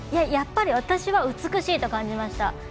やっぱり私は美しいと感じました。